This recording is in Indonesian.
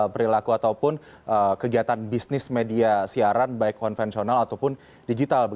perilaku ataupun kegiatan bisnis media siaran baik konvensional ataupun digital